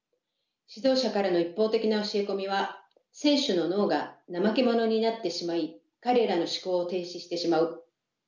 指導者からの一方的な教え込みは選手の脳がナマケモノになってしまい彼らの思考を停止してしまう。